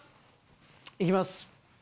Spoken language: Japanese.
行きます。